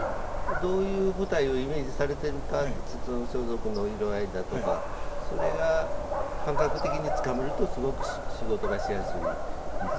どういう舞台をイメージされてるかって装束の色合いだとかそれが感覚的につかめるとすごく仕事がしやすいです